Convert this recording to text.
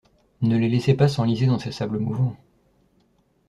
Ne les laissez pas s’enliser dans ces sables mouvants.